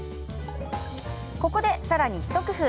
ここで、さらに一工夫。